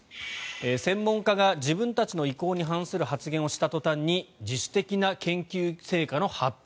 専門家が自分たちの意向に反する発言をした途端に自主的な研究成果の発表？